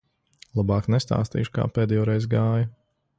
Labāk nestāstīšu, kā pēdējoreiz gāja.